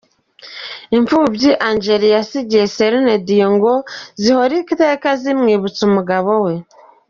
Imfubyi Angélil yasigiye Celine Dion ngo zihora iteka zimwibutsa umugabo we.